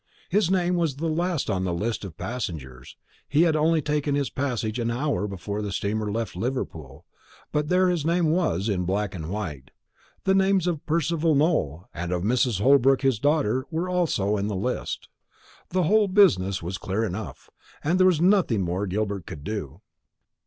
His name was the last on the list of passengers; he had only taken his passage an hour before the steamer left Liverpool, but there his name was in black and white. The names of Percival Nowell, and of Mrs. Holbrook, his daughter, were also in the list. The whole business was clear enough, and there was nothing more that Gilbert could do.